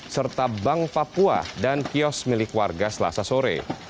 serta bank papua dan kios milik warga selasa sore